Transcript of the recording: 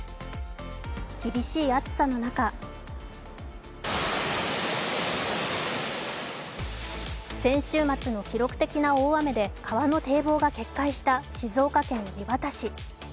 厳しい暑さの中先週末の記録的な大雨で川の堤防が決壊した静岡県磐田市。